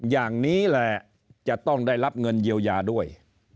อย่างนี้แหละจะต้องได้รับเงินเยียวยาด้วย